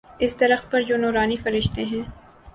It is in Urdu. اس درخت پر جو نوارنی فرشتے ہیں۔